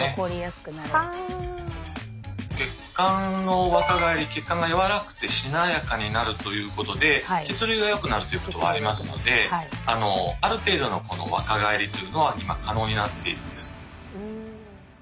血管の若返り血管が柔らかくてしなやかになるということで血流がよくなるということはありますのである程度の若返りというのは今可能になっているんです。